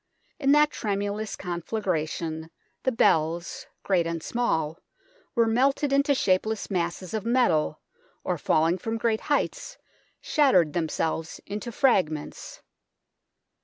In that tremendous conflagration, the bells, great and small, were melted into shapeless masses of metal, or falling from great heights shattered themselves into fragments.